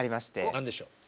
何でしょう？